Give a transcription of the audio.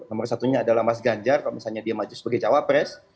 nomor satunya adalah mas ganjar kalau misalnya dia maju sebagai cawapres